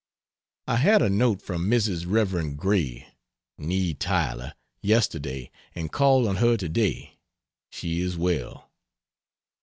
I had a note from Mrs. Rev. Gray (nee Tyler) yesterday, and called on her to day. She is well.